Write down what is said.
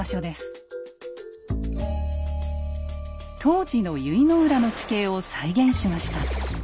当時の由比浦の地形を再現しました。